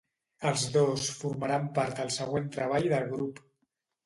Els dos formaran part al següent treball del grup.